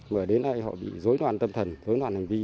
và đến nay họ bị dối đoàn tâm thần dối đoàn hành vi